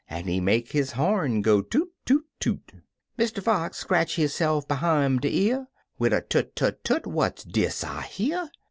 An' he make his horn go toot toot toot 1 Mr. Fox scratch hisse'f behime de year, Wid a "Tut tut tut! What's dis I hear?"